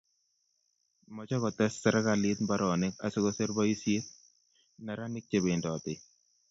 Mochei kotes serkalit mbaronik asikoser boisiet neranik chebendotei